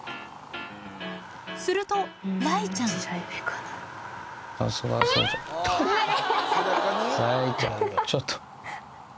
すると雷ちゃん雷ちゃんちょっと。